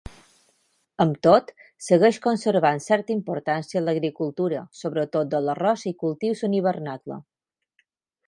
Amb tot, segueix conservant certa importància l'agricultura, sobretot de l'arròs i cultius en hivernacle.